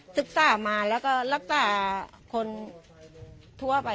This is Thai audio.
ศึกษามาแล้วก็รักษาคนทั่วไป